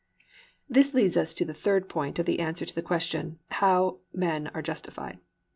3. This leads us to the third part of the answer to the question, how men are justified.